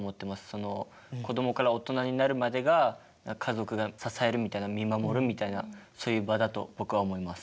その子どもから大人になるまでが家族が支えるみたいな見守るみたいなそういう場だと僕は思います。